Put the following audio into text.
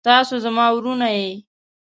تاسو زما وروڼه يې.